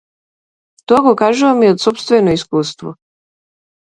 Тоа го кажувам и од сопствено искуство.